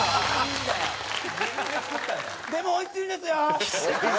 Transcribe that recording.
でも美味しいですよ！